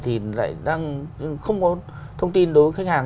thì lại đang không có thông tin đối với khách hàng